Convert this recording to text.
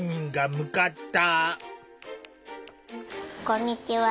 こんにちは。